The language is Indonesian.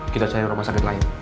kita cari rumah sakit lain